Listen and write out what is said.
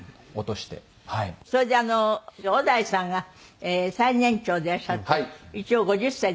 それであの小田井さんが最年長でいらっしゃって一応５０歳で。